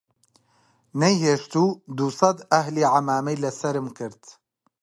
نەیهێشت و دووسەد ئەهلی عەمامەی لە سەرم کرد